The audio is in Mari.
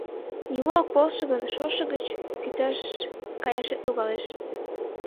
Нимо ок полшо гын, шошо гыч кӱташ каяшет логалеш!